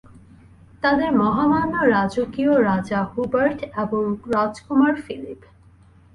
তাদের মহামান্য রাজকীয়, রাজা হুবার্ট এবং রাজকুমার ফিলিপ।